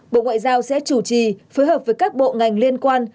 bộ ngoại giao sẽ chủ trì phối hợp với các bộ ngành liên quan